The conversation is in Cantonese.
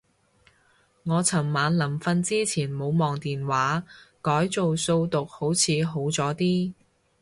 我尋晚臨瞓之前冇望電話，改做數獨好似好咗啲